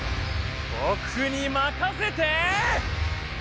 ぼくにまかせて！